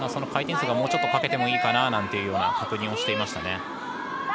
回転数がもうちょっとかけてもいいかなという確認をしていましたね。